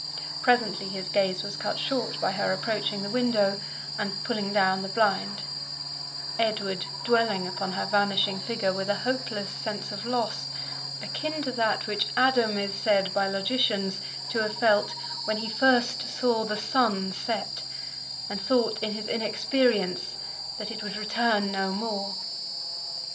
Presently his gaze was cut short by her approaching the window and pulling down the blind Edward dwelling upon her vanishing figure with a hopeless sense of loss akin to that which Adam is said by logicians to have felt when he first saw the sun set, and thought, in his inexperience, that it would return no more.